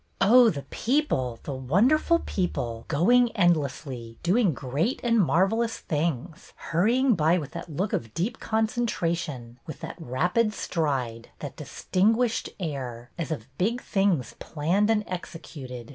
Oh, the people, the wonderful people, going endlessly, doing great and marvellous things, hurrying by with that look of deep concentra tion, with that rapid stride, that distinguished air, as of big things planned and executed!